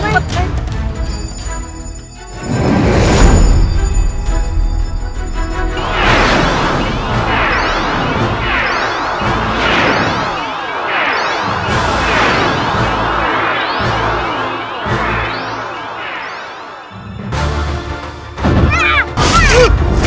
mau menyerang aku